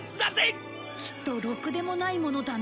きっとろくでもないものだね。